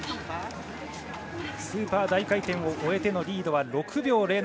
スーパー大回転を終えてのリードは６秒０７。